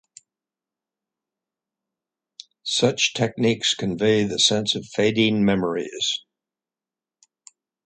Such techniques convey the sense of fading memories.